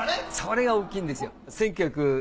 それが大きいんですよ。